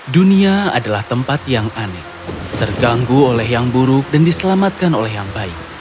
dunia adalah tempat yang aneh terganggu oleh yang buruk dan diselamatkan oleh yang baik